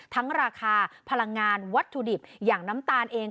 ราคาพลังงานวัตถุดิบอย่างน้ำตาลเอง